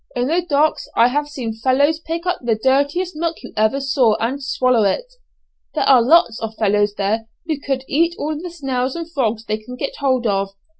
In the docks I have seen fellows pick up the dirtiest muck you ever saw, and swallow it! There are lots of fellows there who eat all the snails and frogs they can get hold of.